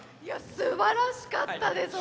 すばらしかったです！